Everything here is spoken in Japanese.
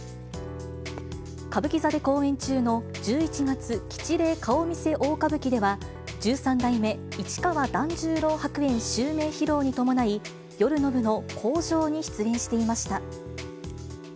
歌舞伎座で公演中の十一月吉例顔見世大歌舞伎では、十三代目市川團十郎白猿襲名披露に伴い、夜の部の口上に出演していました。